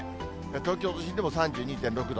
東京都心でも３２．６度。